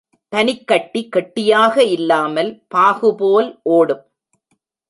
பனிக்கட்டி கெட்டியாக இல்லாமல், பாகுபோல் ஓடும்.